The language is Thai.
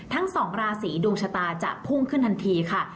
ทั้งสองราศีดวงชะตาจะพุ่งขึ้นทันทีค่ะ